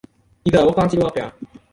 إِذَا وَقَعَتِ الْوَاقِعَةُ